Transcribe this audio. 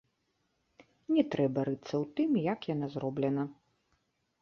Не трэба рыцца ў тым, як яна зроблена.